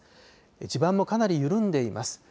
地盤もかなり緩んでいます。